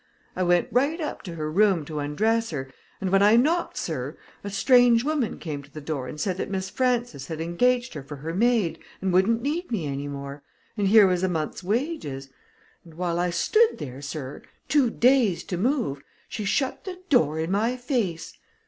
I went right up to her room to undress her, and when I knocked, sir, a strange woman came to the door and said that Miss Frances had engaged her for her maid and wouldn't need me any more, and here was a month's wages. And while I stood there, sir, too dazed to move, she shut the door in my face.